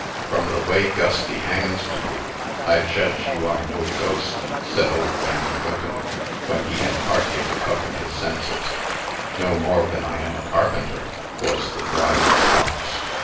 "From the way Gusty hangs to you, I judge you are no ghost," said old Van Quintem, when he had partly recovered his senses. "No more than I am a carpenter," was the dry response.